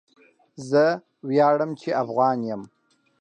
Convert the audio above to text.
زه وياړم چي افغان یم